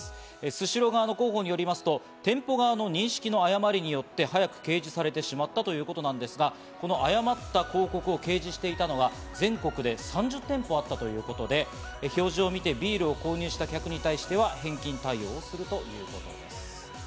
スシロー側の広報によりますと店舗側の認識の誤りによって早く掲示されてしまったということなんですが、この誤った広告を掲示していたのは全国で３０店舗あったということで、表示を見てビールを購入した客に対しては返金対応に応じると呼びかけています。